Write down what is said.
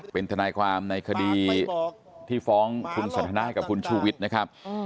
เป็นทนายความในคดีที่ฟ้องคุณสันทนาให้กับคุณชูวิทย์นะครับ